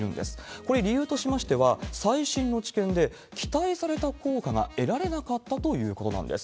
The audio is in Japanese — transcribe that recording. これ、理由としましては、最新の治験で期待された効果が得られなかったということなんです。